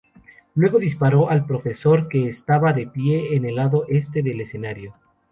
Luego disparó al profesor, que estaba de pie en el lado este del escenario.